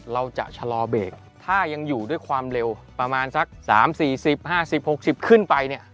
เราจะชะลอเบรกถ้ายังอยู่ด้วยความเร็วประมาณสัก๓๔๐๕๐๖๐ขึ้นไปเนี่ย